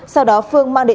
sau đó phương mất tài sản